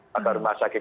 pada rumah sakit